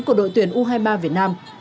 của đội tuyển u hai mươi ba việt nam